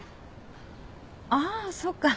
あそっか。